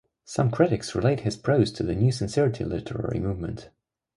Some critics relate his prose to the New Sincerity literary movement.